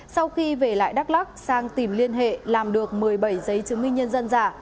sau khi về lại đắk lắc sang tìm liên hệ làm được một mươi bảy giấy chứng minh nhân dân giả